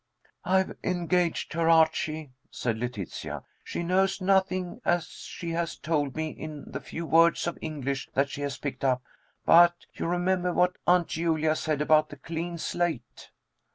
"I've engaged her, Archie," said Letitia. "She knows nothing, as she has told me in the few words of English that she has picked up, but you remember what Aunt Julia said about a clean slate."